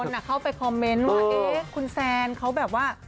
คือบางคนเขาไปคอมเมนต์ว่าคุณแซนเขาแบบว่า